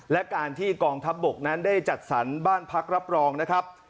และการที่กองทัพบกนั้นได้จัดสรรบ้านพักรับรองนะครับ